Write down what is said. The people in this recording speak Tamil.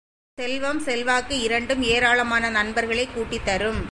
செல்வம், செல்வாக்கு இரண்டும் ஏராளமான நண்பர்களைக் கூட்டித் தரும்.